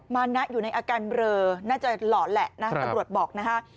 มานะอยู่ในอาการเรอน่าจะหลอนแหละนะตำรวจบอกนะฮะ